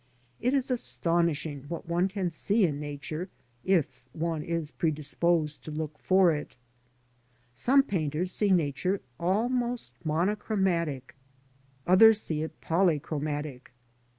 It is astonishing what one can see m Nature ii' one is predisposed to look for it. Some painters see Nature almost monochromatic, others see it polychromatic.